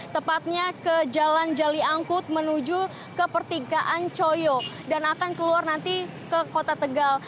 tepatnya ke jalan jali angkut menuju ke pertigaan coyo dan akan keluar nanti ke kota tegal